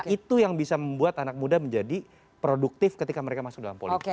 itu yang bisa membuat anak muda menjadi produktif ketika mereka masuk dalam politik